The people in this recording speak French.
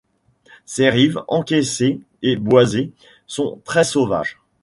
Ses rives, encaissées et boisées, sont très sauvages.